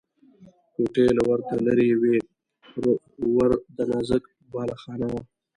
کوټې له ورته لرې وې، پر ور د نازک بالاخانه وه.